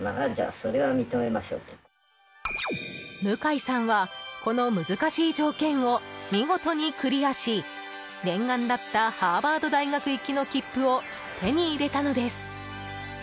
向井さんはこの難しい条件を見事にクリアし念願だったハーバード大学行きの切符を手に入れたのです。